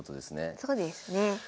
そうですね。